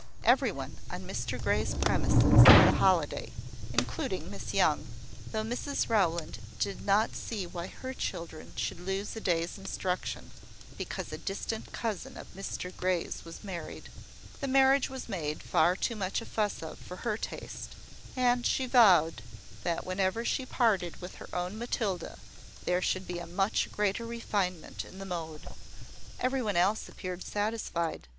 Every one on Mr Grey's premises had a holiday including Miss Young, though Mrs Rowland did not see why her children should lose a day's instruction, because a distant cousin of Mr Grey's was married. The marriage was made far too much a fuss of for her taste; and she vowed that whenever she parted with her own Matilda, there should be a much greater refinement in the mode. Every one else appeared satisfied.